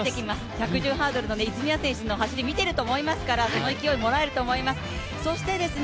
１１０ｍハードルの泉谷選手の走り見ていますから勇気もらえると思います。